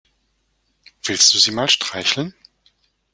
Willst du sie mal streicheln?